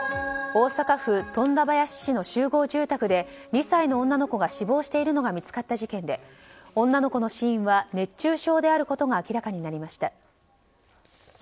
大阪府富田林市の集合住宅で２歳の女の子が死亡しているのが見つかった事件で女の子の死因は熱中症であることが明らかになりました。